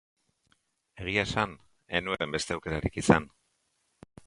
Egia esan, ez nuen beste aukerarik izan.